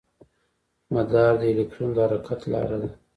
مدار د الکترون د حرکت لاره ده.